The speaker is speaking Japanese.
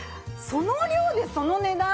その量でその値段？